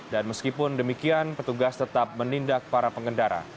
dan meskipun demikian petugas tetap menindak para pengendara